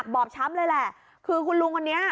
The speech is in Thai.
บอบช้ำเลยแหละคือคุณลุงคนนี้